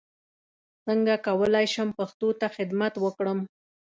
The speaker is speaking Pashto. څنګه کولای شم پښتو ته خدمت وکړم